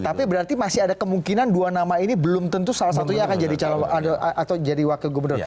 tapi berarti masih ada kemungkinan dua nama ini belum tentu salah satunya akan jadi calon atau jadi wakil gubernur